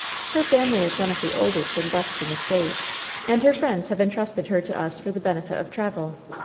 Her family is one of the oldest and best in the State. And her friends have intrusted her to us for the benefit of travel.